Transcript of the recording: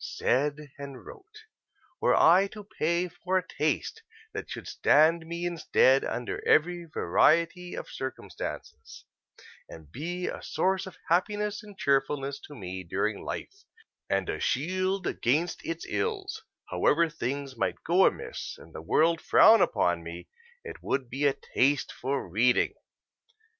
said and wrote: "Were I to pay for a taste that should stand me in stead under every variety of circumstances and be a source of happiness and cheerfulness to me during life, and a shield against its ills, however things might go amiss and the world frown upon me, it would be a taste for reading.